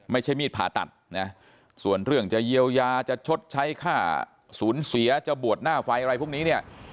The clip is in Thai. ไม่ใช่มีดผ่าตัดนะส่วนเรื่องจะเยียวยาจะชดใช้ค่าสูญเสียจะบวชหน้าไฟอะไรพวกนี้เนี่ย